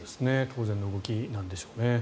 当然の動きなんでしょうね。